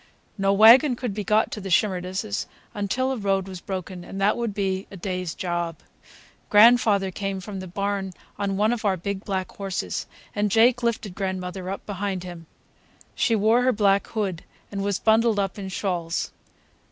No wagon could be got to the Shimerdas' until a road was broken, and that would be a day's job. Grandfather came from the barn on one of our big black horses, and Jake lifted grandmother up behind him. She wore her black hood and was bundled up in shawls.